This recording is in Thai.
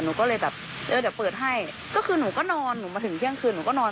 หนูก็เลยแบบเออเดี๋ยวเปิดให้ก็คือหนูก็นอนหนูมาถึงเที่ยงคืนหนูก็นอน